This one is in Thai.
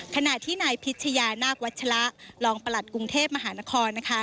ขณะที่นายพิชยานาควัชละรองประหลัดกรุงเทพมหานครนะคะ